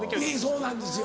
そうなんですよ。